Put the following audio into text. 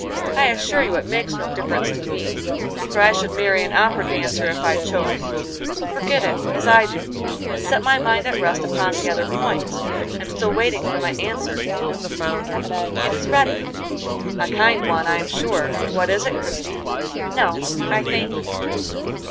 I assure you it makes no difference to me, for I should marry an opera dancer if I chose, so forget it, as I do, and set my mind at rest upon the other point. I'm still waiting for my answer, you know." "It is ready." "A kind one, I'm sure. What is it, Christie?" "No, I thank you."